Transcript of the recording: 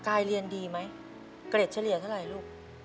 กายเรียนดีมั้ยเกรดเฉลี่ยเท่าไรลูก